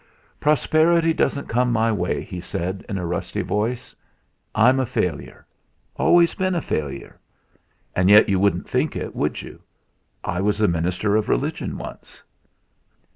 "Prosperity doesn't come my way," he said in a rusty voice. "I'm a failure always been a failure. And yet you wouldn't think it, would you? I was a minister of religion once."